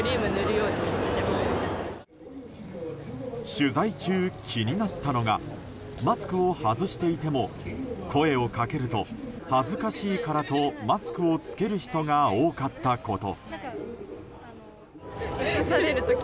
取材中、気になったのがマスクを外していても声をかけると恥ずかしいからとマスクを着ける人が多かったこと。